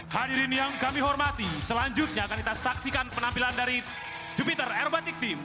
hadirin yang kami hormati selanjutnya akan kita saksikan penampilan dari jupiter aerobatic team